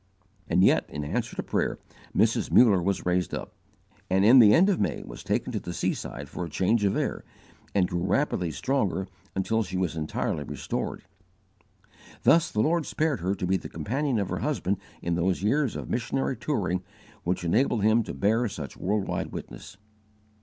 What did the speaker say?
And yet, in answer to prayer, Mrs. Muller was raised up, and in the end of May, was taken to the seaside for change of air, and grew rapidly stronger until she was entirely restored. Thus the Lord spared her to be the companion of her husband in those years of missionary touring which enabled him to bear such worldwide witness.